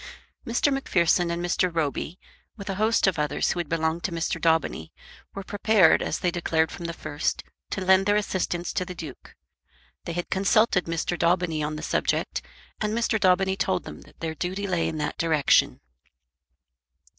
Mr. Macpherson and Mr. Roby, with a host of others who had belonged to Mr. Daubeny, were prepared, as they declared from the first, to lend their assistance to the Duke. They had consulted Mr. Daubeny on the subject, and Mr. Daubeny told them that their duty lay in that direction.